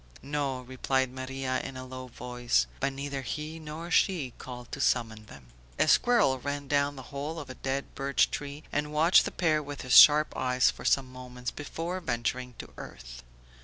"No," replied Maria in a low voice. But neither he nor she called to summon them. A squirrel ran down the bole of a dead birch tree and watched the pair with his sharp eyes for some moments before venturing to earth.